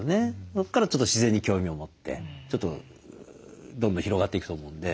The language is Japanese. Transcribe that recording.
そこからちょっと自然に興味を持ってちょっとどんどん広がっていくと思うんで。